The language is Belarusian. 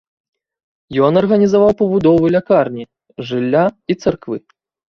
Ён арганізаваў пабудову лякарні, жылля і царквы.